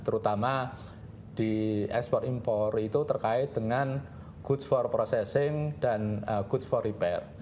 terutama di ekspor impor itu terkait dengan goods for processing dan good for repair